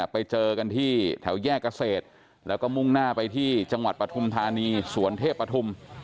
ไปเจอกันที่แถวแยกเกษตรแล้วก็มุ่งหน้าไปที่จังหวัดปฐุมธานีสวนเทพปฐุม